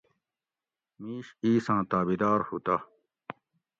مِیش اِیساں تابعدار ہُو تہ